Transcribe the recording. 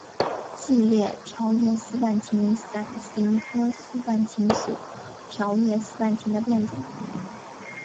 细裂条叶丝瓣芹为伞形科丝瓣芹属条叶丝瓣芹的变种。